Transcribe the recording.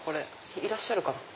いらっしゃるかな。